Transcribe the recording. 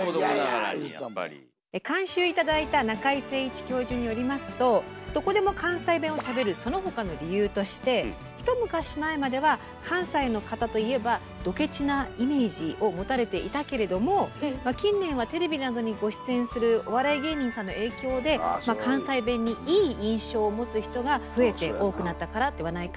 監修頂いた中井精一教授によりますとどこでも関西弁をしゃべるそのほかの理由としてひと昔前までは関西の方といえばどケチなイメージを持たれていたけれども近年はテレビなどにご出演するお笑い芸人さんの影響で関西弁にいい印象を持つ人が増えて多くなったからではないかと。